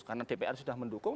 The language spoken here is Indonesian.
karena dpr sudah mendukung